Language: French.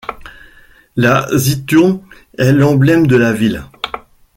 La Zytturm est l'emblème de la ville.